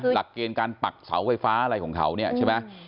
หลักเกณฑ์การปักเสาไฟฟ้าอะไรของเขาเนี่ยใช่ไหม